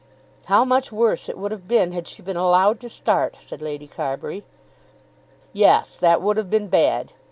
"How much worse it would have been, had she been allowed to start," said Lady Carbury. "Yes; that would have been bad.